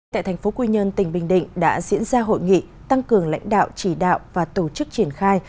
tại thành phố quy nhơn tỉnh bình định đã diễn ra hội nghị tăng cường lãnh đạo chỉ đạo và tổ chức triển khai